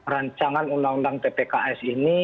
rancangan undang undang tpks ini